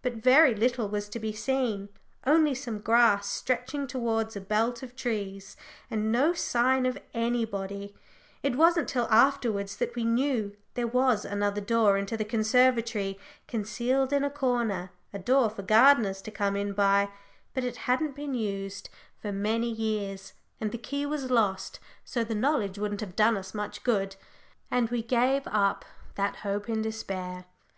But very little was to be seen only some grass stretching towards a belt of trees, and no sign of anybody it wasn't till afterwards that we knew there was another door into the conservatory, concealed in a corner a door for gardeners to come in by, but it hadn't been used for many years, and the key was lost, so the knowledge wouldn't have done us much good and we gave up that hope in despair.